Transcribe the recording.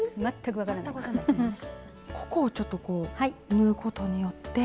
ここをちょっとこう縫うことによって。